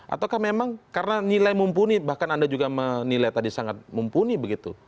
ataukah memang karena nilai mumpuni bahkan anda juga menilai tadi sangat mumpuni begitu